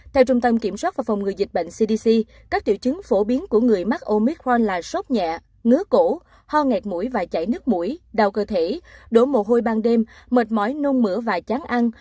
theo trung tâm kiểm soát và phòng ngừa dịch bệnh các triệu chứng phổ biến của người mắc omicron là sốc nhẹ ngứa cổ ho nghẹt mũi và chảy nước mũi đau cơ thể đổ mồ hôi ban đêm mệt mỏi nôn mỡ và chán ăn